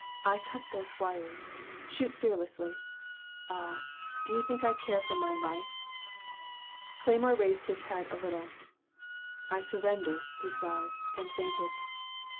I cut those wires ! Shoot fearlessly — ^Ah, do you think I care for my life?'' Cleymore raised his head a little. I surrender,'* he sighed, and fainted.